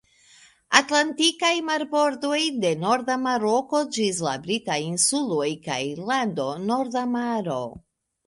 Atlantikaj marbordoj, de norda Maroko ĝis la britaj insuloj kaj Irlando; Norda Maro.